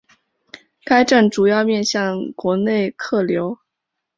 该站主要面向国内客流。